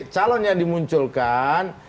calon yang dimunculkan